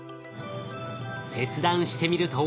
切断してみると。